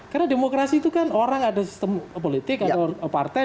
karena demokrasi itu kan orang ada sistem politik atau partai